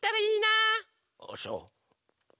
ああそう。